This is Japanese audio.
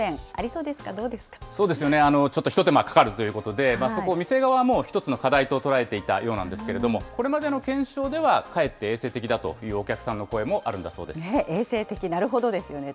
そうですよね、ちょっと一手間かかるということで、そこを店側も一つの課題と捉えていたようなんですけれども、これまでの検証では、かえって衛生的だというお客さんの声もあるんだ衛生的、なるほどですよね。